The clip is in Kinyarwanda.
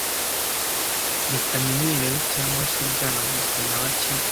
bitamenyerewe cyangwa se byaba bizwi na bake